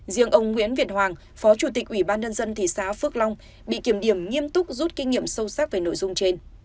riêng ông nguyễn việt hoàng phó chủ tịch ủy ban nhân dân thị xã phước long bị kiểm điểm nghiêm túc rút kinh nghiệm sâu sắc về nội dung trên